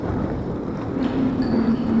Mi hermana Camille.